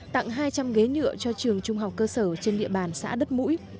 tặng hai trăm linh ghế nhựa cho trường trung học cơ sở trên địa bàn xã đất mũi